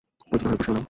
পরিচিত হয়ে খুশি হলাম।